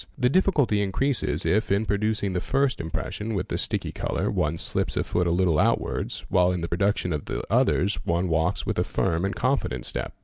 The difficulty increases if, in producing the first impression with the sticky colour, one slips the foot a little outwards, while in the production of the others one walks with a f m and confident step.